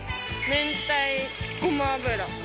明太ごま油？